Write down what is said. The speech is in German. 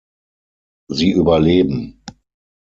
Sie überleben.